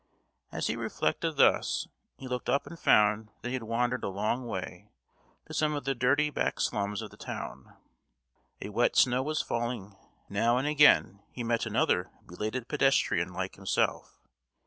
As he reflected thus, he looked up and found that he had wandered a long way, to some of the dirty back slums of the town. A wet snow was falling; now and again he met another belated pedestrian like himself.